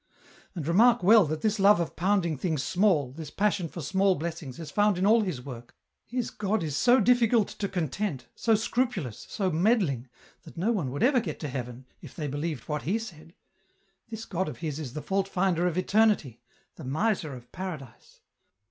" And remark well that this love of pounding things small, this passion for small blessings, is found in all his work. His God is so difficult to content, so scrupulous, so meddling, that no one would ever get to heaven if they believed what he said. This God of his is the fault finder of eternity, the miser of paradise.